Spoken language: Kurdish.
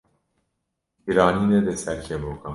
Giranî nede ser kevokan